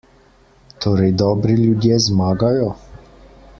Torej dobri ljudje zmagajo?